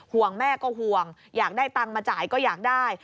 แม่ก็ห่วงอยากได้ตังค์มาจ่ายก็อยากได้